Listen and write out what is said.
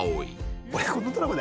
俺このドラマで。